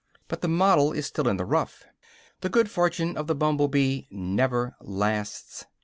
But the model is still in the rough. The good fortune of the humble bee never lasts.